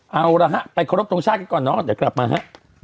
เอาละฮะไปขอรบทรงชาติกันก่อนเนอะเดี๋ยวกลับมาฮะ